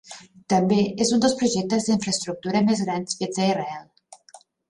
També és un dels projectes d'infraestructura més grans fets a Israel.